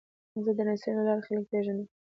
زه د رسنیو له لارې خلک پیژنم.